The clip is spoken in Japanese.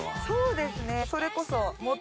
そうですねそれこそ。